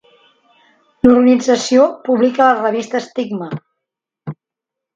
L'organització publica la revista Stigma.